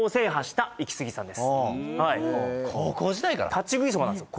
立ち食いそばなんですよ